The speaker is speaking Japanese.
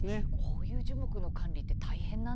こういう樹木の管理って大変なんですね。